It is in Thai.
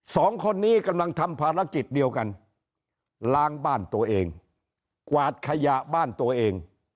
สองคนนี้กำลังทำภารกิจเดียวกันล้างบ้านตัวเองกวาดขยะบ้านตัวเอง